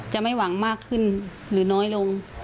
ไม่หวังมากขึ้นหรือน้อยลง